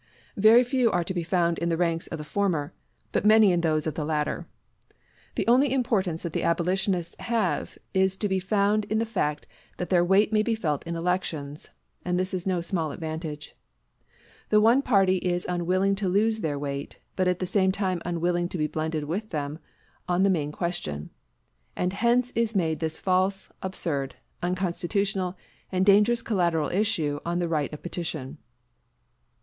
Very few are to be found in the ranks of the former; but many in those of the latter. The only importance that the abolitionists have is to be found in the fact that their weight may be felt in elections; and this is no small advantage. The one party is unwilling to lose their weight, but at the same time unwilling to be blended with them on the main question; and hence is made this false, absurd, unconstitutional, and dangerous collateral issue on the right of petition.